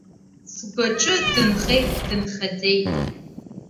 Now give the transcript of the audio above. Сгәаҿы дынхеит, дынхаӡеит.